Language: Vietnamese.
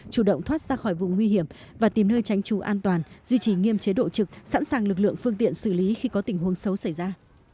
chủ động thoát ra khỏi vùng nguy hiểm và tìm nơi tránh trú an toàn duy trì nghiêm chế độ trực sẵn sàng lực lượng phương tiện xử lý khi có tình huống xấu xảy ra